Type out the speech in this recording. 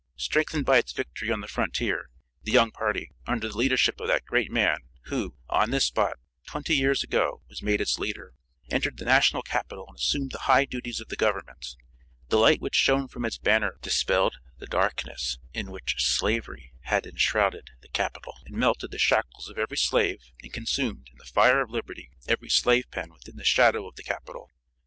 Strengthened by its victory on the frontier, the young party, under the leadership of that great man who, on this spot, twenty years ago, was made its leader, entered the national capitol and assumed the high duties of the government. The light which shone from its banner dispelled the darkness in which slavery had enshrouded the capitol, and melted the shackles of every slave, and consumed, in the fire of liberty, every slave pen within the shadow of the capitol.